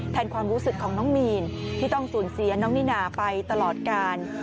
ความรู้สึกของน้องมีนที่ต้องสูญเสียน้องนิน่าไปตลอดกาล